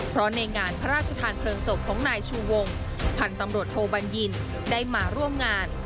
เพราะในงานพระราชทานเพลิงศพของนายชูวงพันธุ์ตำรวจโทบัญญินได้มาร่วมงาน